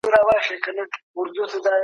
دا یوه لویه بریا وه.